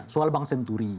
soal bang senturi